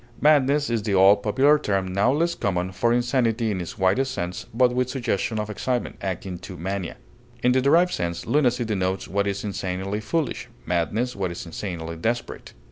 Madness is the old popular term, now less common, for insanity in its widest sense, but with suggestion of excitement, akin to mania. In the derived sense, lunacy denotes what is insanely foolish, madness what is insanely desperate.